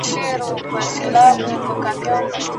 آيا ميرمن د بيلېدو وړانديز کولای سي؟